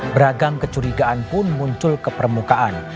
beragam kecurigaan pun muncul ke permukaan